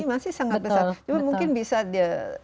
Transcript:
masih sangat besar